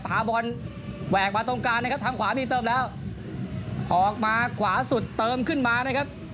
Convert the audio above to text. พาบอลแหวกมาตรงกลางนะครับทางขวามีเติมแล้วออกมาขวาสุดเติมขึ้นมานะครับ